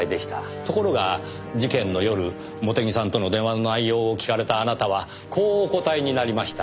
ところが事件の夜茂手木さんとの電話の内容を聞かれたあなたはこうお答えになりました。